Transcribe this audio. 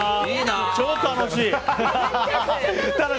超楽しい。